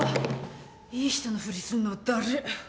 いい人のふりすんのだる。